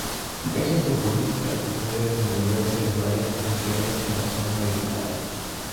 Es un futbolista que puede desenvolverse en varias posiciones en la zona medular.